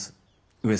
上様。